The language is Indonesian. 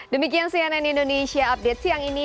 demikian cnn indonesia update siang ini